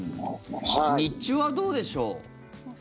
日中はどうでしょう？